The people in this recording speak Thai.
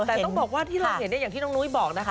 แต่ต้องบอกว่าที่เราเห็นอย่างที่หนุ๊ยบอก